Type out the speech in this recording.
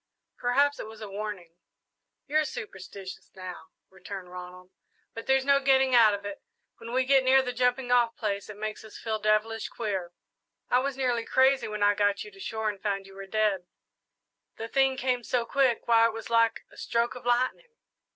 "Perhaps it was a warning." "You're superstitious, now," returned Ronald; "but there's no getting out of it when we get near the jumping off place it makes us feel devilish queer. I was nearly crazy when I got you to shore and found you were dead the thing came so quick, why, it was like a stroke of lightning."